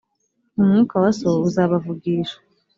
umwuka wa so uzabavugisha